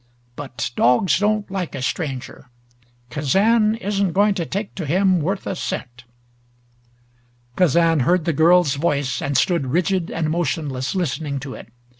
But dogs don't like a stranger. Kazan isn't going to take to him worth a cent!" Kazan heard the girl's voice, and stood rigid and motionless listening to it.